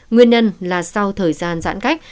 nguyên nhân là sau thời gian giãn cách